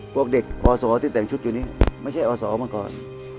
พวกเด็กอศที่แต่งชุดอยู่นี้ไม่ใช่อศมาก่อน